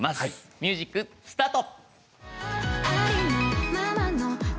ミュージックスタート